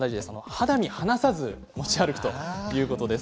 肌身離さず持ち歩くということです。